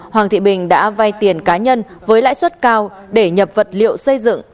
hoàng thị bình đã vay tiền cá nhân với lãi suất cao để nhập vật liệu xây dựng